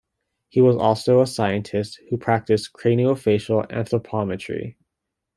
He was also a scientist who practiced craniofacial anthropometry.